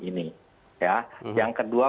ini yang kedua